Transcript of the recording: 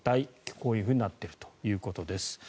こういうふうになっているということです。